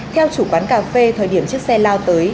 theo chủ quán cà phê thời điểm chiếc xe lao tới